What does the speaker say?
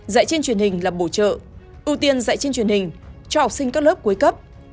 dạy trên truyền hình là bổ trợ ưu tiên dạy trên truyền hình cho học sinh các lớp cuối cấp